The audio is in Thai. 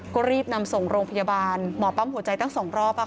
ก็รีบนำส่งโรงพยาบาลหมอปั๊มหัวใจตั้ง๒รอบ